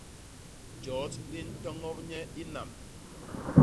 Jot li ntoñop nye i nam.